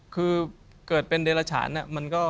คือเกิดเป็นเดรฉาน